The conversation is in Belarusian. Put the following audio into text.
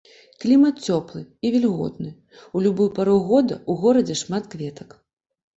Клімат цёплы і вільготны, у любую пару года ў горадзе шмат кветак.